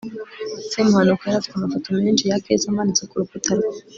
semuhanuka yari afite amafoto menshi ya keza amanitse ku rukuta rwe